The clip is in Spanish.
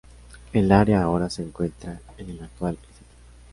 El área ahora se encuentra en el actual St.